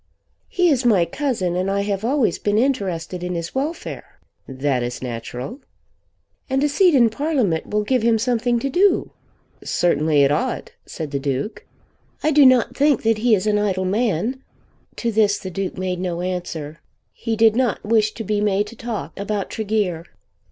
"He is my cousin, and I have always been interested in his welfare." "That is natural." "And a seat in Parliament will give him something to do." "Certainly it ought," said the Duke. "I do not think that he is an idle man." To this the Duke made no answer. He did not wish to be made to talk about Tregear.